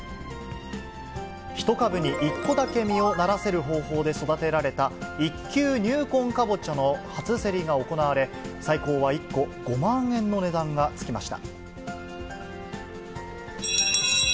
１株に１個だけ実をならせる方法で育てられた、一球入魂かぼちゃの初競りが行われ、最高は１個５万円の値段が付きました。